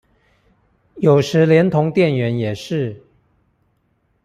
有時連同店員也是